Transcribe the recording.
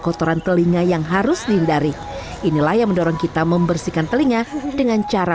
kotoran telinga yang harus dihindari inilah yang mendorong kita membersihkan telinga dengan cara